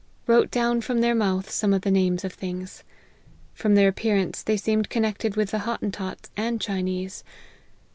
Wrote down from their mouth some of the names of things. From their appearance, they seemed connected with the Hottentots and Chinese.